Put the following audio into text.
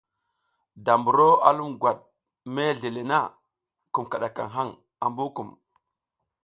Da buro a lum gwat mesle le na, kum kiɗakaŋ haŋ ambu kum.